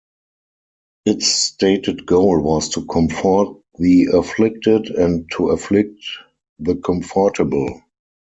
Its stated goal was to comfort the afflicted and to afflict the comfortable.